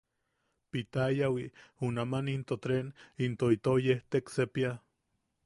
Pitayawi junaman into treen into itou yejtek sepia.